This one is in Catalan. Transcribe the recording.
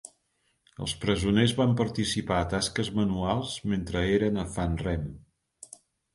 Els presoners van participar a tasques manuals mentre eren a Fannrem.